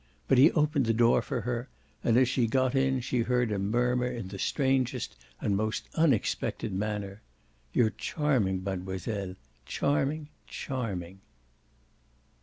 But he opened the door for her and as she got in she heard him murmur in the strangest and most unexpected manner: "You're charming, mademoiselle charming, charming!"